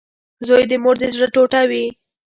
• زوی د مور د زړۀ ټوټه وي.